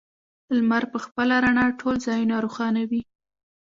لمر په خپله رڼا ټول ځایونه روښانوي.